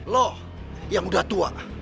lo yang sudah tua